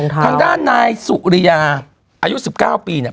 ทางด้านนายสุริยาอายุ๑๙ปีเนี่ย